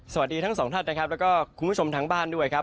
สวัสดีทั้งสองท่านนะครับแล้วก็คุณผู้ชมทางบ้านด้วยครับ